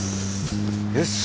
よし！